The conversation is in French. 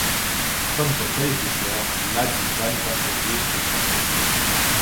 Comme son prédécesseur, la du Van passagers est importée.